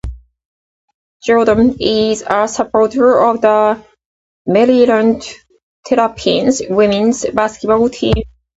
Jordan is a supporter of the Maryland Terrapins women's basketball team.